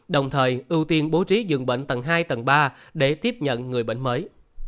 đồng thời ưu tiên bố trí dường bệnh tầng hai tầng ba để tiếp nhận người bệnh mới